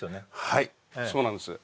はいそうなんです